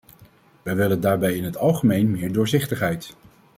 Wij willen daarbij in het algemeen meer doorzichtigheid.